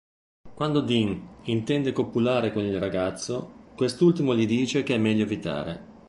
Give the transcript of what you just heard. Quando Dean intende copulare con il ragazzo, quest'ultimo gli dice che è meglio evitare.